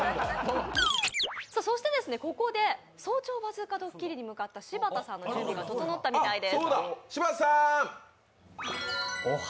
そして、ここで「早朝バズーカ」ドッキリに向かった柴田さんの準備が整ったみたいです。